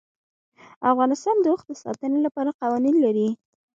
افغانستان د اوښ د ساتنې لپاره قوانین لري.